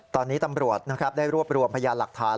ตอนนี้ตำรวจนะครับได้รวบรวมพยานหลักฐาน